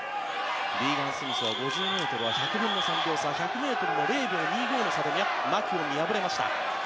リーガン・スミスは５０ｍは１００分の３秒差１００ｍは０秒２５の差でマキュオンに敗れました。